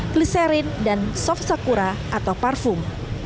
gliserin dan soft sakura atau parfum